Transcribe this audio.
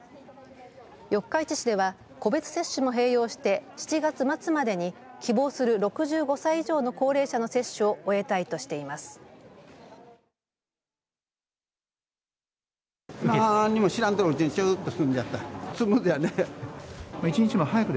四日市市では個別接種も併用して７月末までに希望する６５歳以上の高齢者の接種を終えたいとしています。